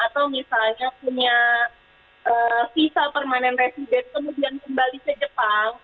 atau misalnya punya visa permanent resident kemudian kembali ke jepang